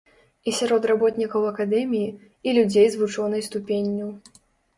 І сярод работнікаў акадэміі, і людзей з вучонай ступенню.